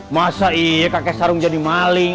masa iya kakek sarung jadi maling